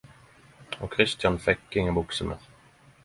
Og Kristian fekk inga bukse meir.